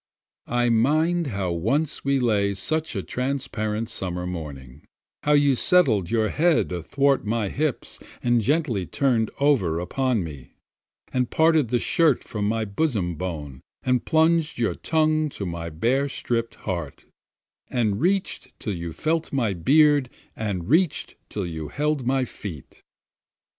I mind how once we lay such a transparent summer morning, How you settled your head athwart my hips and gently turn'd over upon me, And parted the shirt from my bosom bone, and plunged your tongue to my bare stript heart, And reach'd till you felt my beard, and reach'd till you held my feet.